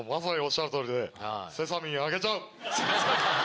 セサミンあげちゃう！